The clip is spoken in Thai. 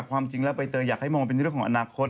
ความจริงแล้วใบเตยอยากให้มองเป็นเรื่องของอนาคต